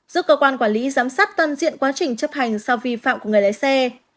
giúp cơ quan quản lý giám sát toàn diện quá trình chấp hành sau vi phạm của người lái xe